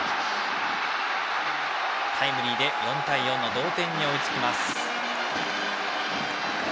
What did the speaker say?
タイムリーで４対４の同点に追いつきます。